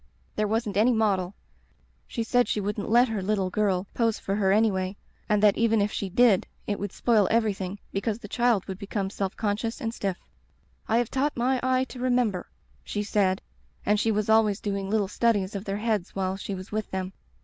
There wasn't any model. She said she wouldn't let her little girl pose for her any way, and that even if she did it would spoil everything because the child would become self conscious and stiff. "*I have taught my eye to remember,' she said, and she was always doing little studies of their heads while she was with them.